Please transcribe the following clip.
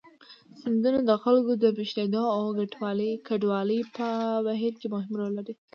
سیندونه د خلکو د مېشتېدو او کډوالۍ په بهیر کې مهم رول لري.